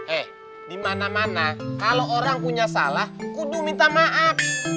eh di mana mana kalau orang punya salah kudu minta maaf